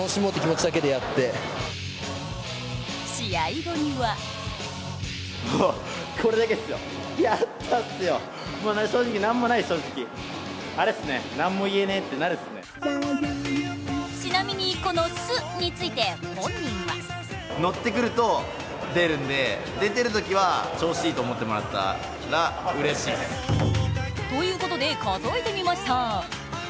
試合後にはちなみにこの「ス」について本人はということで、数えてみました。